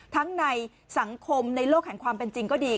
ในสังคมในโลกแห่งความเป็นจริงก็ดี